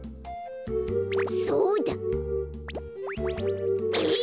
そうだ。えい！